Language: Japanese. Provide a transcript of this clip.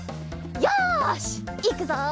よしいくぞ！